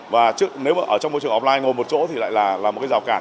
và nếu mà ở trong môi trường offline ngồi một chỗ thì lại là một cái rào cản